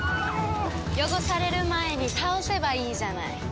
汚される前に倒せばいいじゃない。